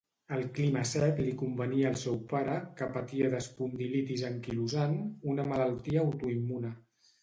El clima sec li convenia al seu pare, que patia d'espondilitis anquilosant, una malaltia autoimmune.